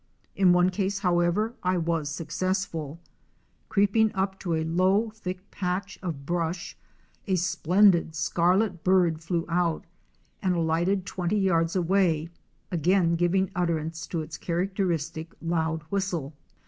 In one case, however, I was successful. JUNGLE LIFE AT AREMU. are Creeping up to a low, thick patch of brush, a splendid scarlet bird flew out and alighted twenty yards away, again giving utterance to its characteristic loud whistle.